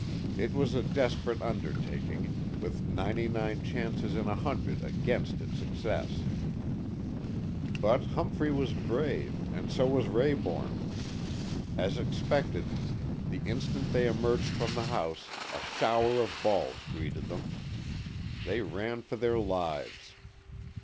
It was a desperate undertaking, with ninety nine chances in a hundred against its success. But Humphrey was brave, and so was Rayborn. As expected, the instant they emerged from the house a shower of balls greeted them. They ran for their lives.